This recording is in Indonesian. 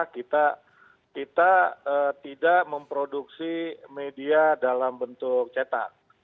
kita tidak memproduksi media dalam bentuk cetak